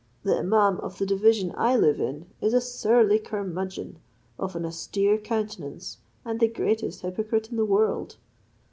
The imaum of the division I live in is a surly curmudgeon, of an austere countenance, and the greatest hypocrite in the world.